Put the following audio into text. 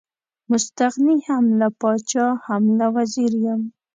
مستغني هم له پاچا هم له وزیر یم.